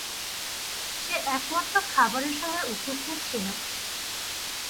সে একমাত্র খাবারের সময় উপস্থিত ছিল না।